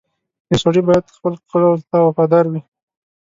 • یو سړی باید خپل قول ته وفادار وي.